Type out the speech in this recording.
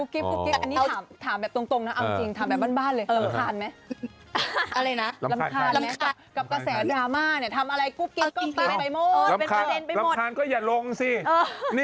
กิ๊บเป็นคนชินกับกระแสดราม่าอะไรอยู่แล้วกิ๊บเลยไม่ค่อยสนใจ